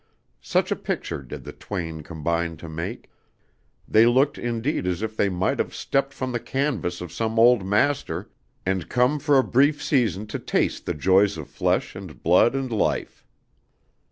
Such a picture did the twain combine to make; they looked indeed as if they might have stepped from the canvas of some old master and come for a brief season to taste the joys of flesh and blood and life.